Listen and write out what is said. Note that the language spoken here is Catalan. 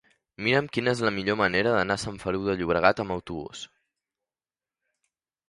Mira'm quina és la millor manera d'anar a Sant Feliu de Llobregat amb autobús.